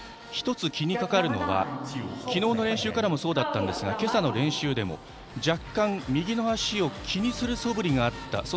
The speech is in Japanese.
１つ気にかかるのは昨日の練習からもそうでしたが今朝の練習でも、若干右の足を気にするそぶりがあった。